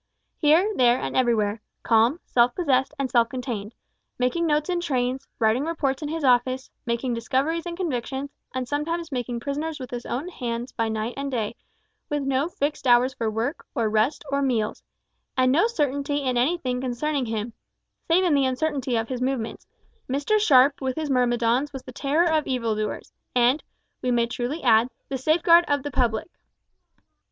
Here, and there, and everywhere calm, self possessed, and self contained, making notes in trains, writing reports in his office, making discoveries and convictions, and sometimes making prisoners with his own hands by night and day, with no fixed hours for work, or rest, or meals, and no certainty in anything concerning him, save in the uncertainty of his movements, Mr Sharp with his myrmidons was the terror of evil doers, and, we may truly add, the safeguard of the public.